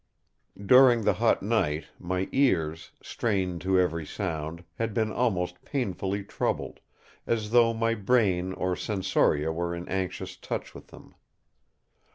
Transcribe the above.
During the hot night my ears, strained to every sound, had been almost painfully troubled; as though my brain or sensoria were in anxious touch with them.